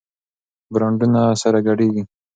برانډونه سره ګډېږي.